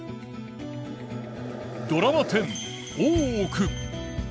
ドラマ１０「大奥」。